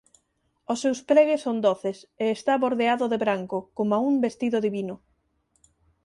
Os seus pregues son doces e está bordeado de branco, coma un vestido divino.